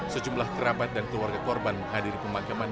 sejumlah kerabat dan keluarga korban menghadiri pemakaman